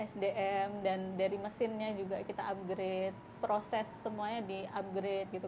sdm dan dari mesinnya juga kita upgrade proses semuanya di upgrade gitu